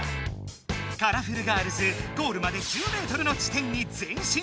カラフルガールズゴールまで１０ｍの地点に前しん！